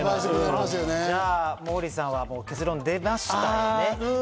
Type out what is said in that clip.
じゃあ、モーリーさんはもう結論出ましたね。